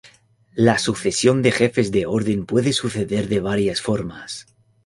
La sucesión de Jefes de Orden puede suceder de varias formas.